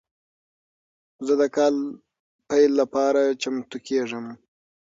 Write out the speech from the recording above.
زه د کال پیل لپاره چمتو کیږم.